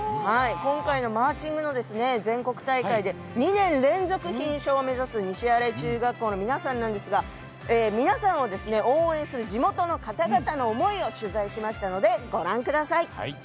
今回のマーチングの全国大会で２年連続金賞を目指す西新井中学校の皆さんなんですが皆さんを応援する地元の方々の思いを取材しました。